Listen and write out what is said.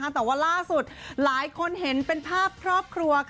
แต่ว่าล่าสุดหลายคนเห็นเป็นภาพครอบครัว